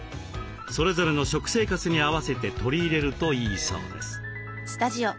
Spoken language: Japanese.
それぞれの食生活に合わせて取り入れるといいそうです。